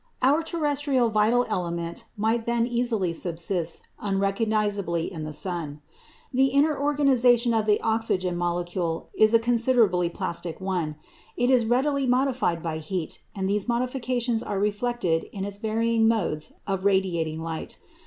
Our terrestrial vital element might then easily subsist unrecognisably in the sun. The inner organisation of the oxygen molecule is a considerably plastic one. It is readily modified by heat, and these modifications are reflected in its varying modes of radiating light.